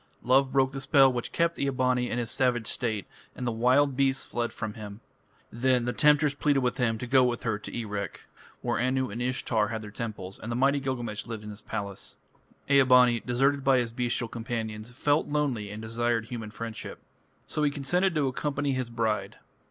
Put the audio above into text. Love broke the spell which kept Ea bani in his savage state, and the wild beasts fled from him. Then the temptress pleaded with him to go with her to Erech, where Anu and Ishtar had their temples, and the mighty Gilgamesh lived in his palace. Ea bani, deserted by his bestial companions, felt lonely and desired human friendship. So he consented to accompany his bride.